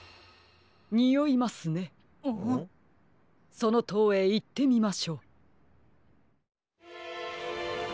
そのとうへいってみましょう。